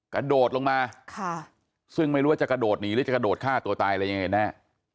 กระโดดลงมาซึ่งไม่รู้ว่าจะกระโดดหนีหรือจะกระโดดฆ่าตัวตายอะไรยังไงแน่